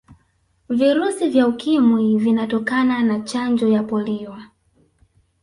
virusi vya ukimwi vinatokana na Chanjo ya polio